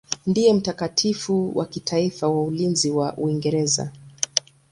Ndiye mtakatifu wa kitaifa wa ulinzi wa Uingereza.